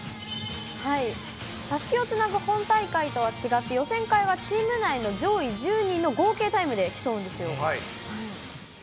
たすきをつなぐ本大会とは違って、予選会はチーム内の上位１０人の合計タイムで競うんですよ。